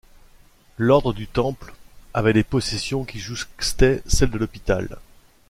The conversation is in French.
L'ordre du Temple, avait des possessions qui jouxtaient celles de L'Hôpital.